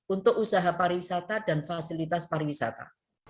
untuk usaha pariwisata dan fasilitas pariwisata